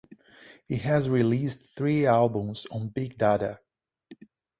He has released three albums on Big Dada.